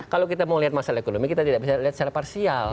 kalau kita mau lihat masalah ekonomi kita tidak bisa lihat secara parsial